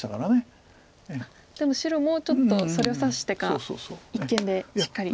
でも白もちょっとそれを察してか一間でしっかり。